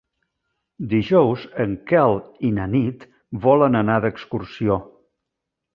Dijous en Quel i na Nit volen anar d'excursió.